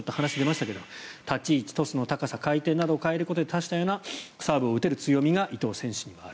立ち位置、トスの高さ回転などを変えることで多種多様なサーブを打てる強みが伊藤選手にはある。